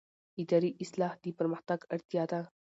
اداري اصلاح د پرمختګ اړتیا ده